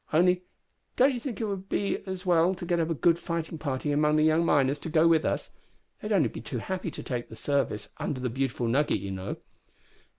Only don't you think it would be as well to get up a good fighting party among the young miners to go with us? They'd only be too happy to take service under the Beautiful Nugget, you know."